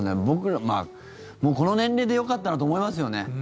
この年齢でよかったなって思いますよね。